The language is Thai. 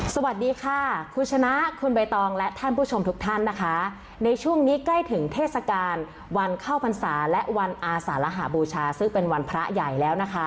สวัสดีค่ะคุณชนะคุณใบตองและท่านผู้ชมทุกท่านนะคะในช่วงนี้ใกล้ถึงเทศกาลวันเข้าพรรษาและวันอาสารหาบูชาซึ่งเป็นวันพระใหญ่แล้วนะคะ